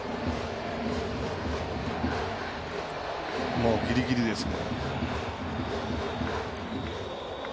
もうギリギリですね。